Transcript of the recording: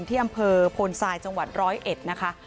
ที่อำเภอโพนทรายจังหวัดร้อยเอ็ดนะคะ